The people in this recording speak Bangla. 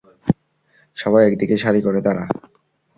সবাই একদিকে সারি করে দাঁড়া।